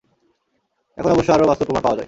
এখন অবশ্য আরও বাস্তব প্রমাণ পাওয়া যায়।